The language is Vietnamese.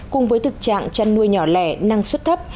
cùng với thực trạng chăn nuôi nhỏ lẻ năng suất thấp